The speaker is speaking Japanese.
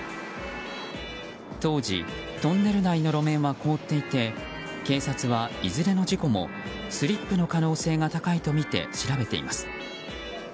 当時、トンネル内の路面は凍っていて警察はいずれの事故もスリップの可能性が高いとみて調べています。